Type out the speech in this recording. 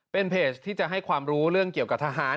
เป็นเพจที่จะให้ความรู้เรื่องเกี่ยวกับทหาร